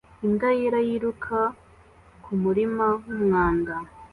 Imbwa yera yiruka kumurima wumwanda